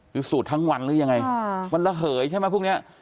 คือสูดทั้งวันหรือยังไงวันละเหยใช่ไหมพวกนี้